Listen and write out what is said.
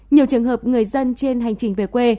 nhiều trường hợp người dân trên hành trình về quê